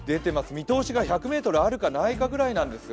見通しが１００ｍあるかないかくらいなんです。